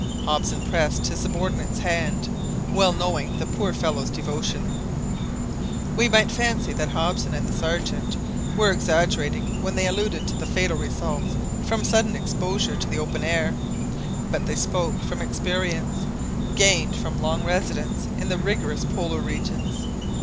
Hobson pressed his subordinate's hand, well knowing the poor fellow's devotion. We might fancy that Hobson and the Sergeant were exaggerating when they alluded to fatal results from sudden exposure to the open air, but they spoke from experience, gained from long residence in the rigorous Polar regions.